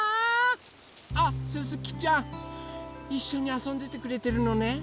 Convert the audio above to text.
あっすすきちゃんいっしょにあそんでてくれてるのね。